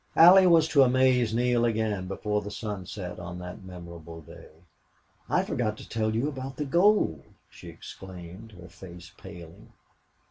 Allie was to amaze Neale again before the sun set on that memorable day. "I forgot to tell you about the gold!" she exclaimed, her face paling.